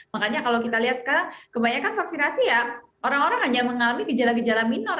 makanya kalau kita lihat sekarang kebanyakan vaksinasi ya orang orang hanya mengalami gejala gejala minor